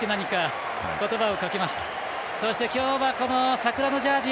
この桜のジャージ